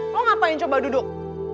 lo ngapain coba duduk